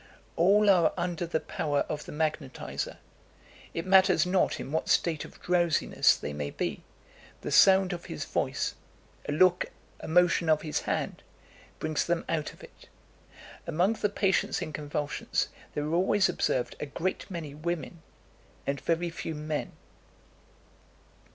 All are under the power of the magnetiser; it matters not in what state of drowsiness they may be, the sound of his voice a look, a motion of his hand brings them out of it. Among the patients in convulsions there are always observed a great many women, and very few men."